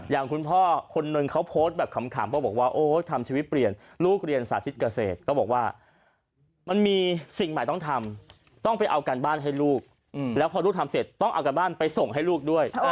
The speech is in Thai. อย่างคุณพ่อคนนึงเขาโพสต์แบบขำเพราะบอกว่าโอ๊ยทำชีวิตเปลี่ยนลูกเรียนสาธิตเกษตรก็บอกว่ามันมีสิ่งใหม่ต้องทำต้องไปเอาการบ้านให้ลูกแล้วพอลูกทำเสร็จต้องเอาการบ้านไปส่งให้ลูกด้วย